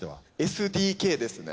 ＳＤＫですね。